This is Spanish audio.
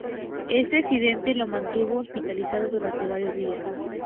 Este accidente lo mantuvo hospitalizado durante varios días.